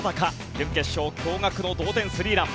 準決勝驚がくの同点スリーラン。